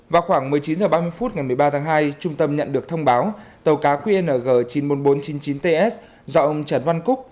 vào khoảng một mươi chín h ba mươi phút ngày một mươi ba tháng hai trung tâm nhận được thông báo tàu cá qng chín mươi một nghìn bốn trăm chín mươi chín ts do ông trần văn cúc